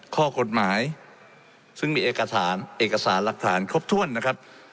ข้อกฎหมายซึ่งมีเอกสารเอกสารหลักฐานครบถ้วนนะครับ